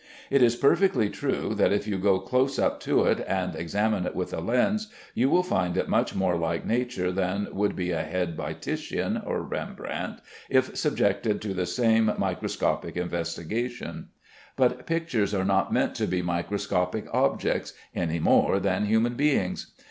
It is perfectly true that if you go close up to it and examine it with a lens, you will find it much more like nature than would be a head by Titian or Rembrandt if subjected to the same microscopic investigation; but pictures are not meant to be microscopic objects any more than human beings.